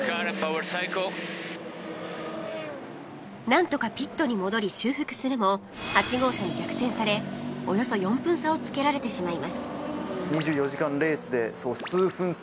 なんとかピットに戻り修復するも８号車に逆転されおよそ４分差をつけられてしまいます